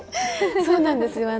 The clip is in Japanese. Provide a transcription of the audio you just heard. そうなんですよ。